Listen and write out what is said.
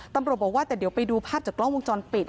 ตำรวจบอกว่าแต่เดี๋ยวไปดูภาพจากกล้องวงจรปิด